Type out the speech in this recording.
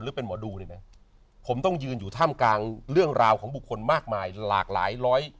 เป็นหมอดูเนี่ยนะผมต้องยืนอยู่ท่ามกลางเรื่องราวของบุคคลมากมายหลากหลายร้อย